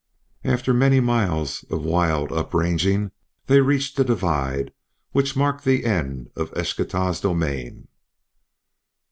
And after many miles of wild up ranging they reached a divide which marked the line of Eschtah's domain.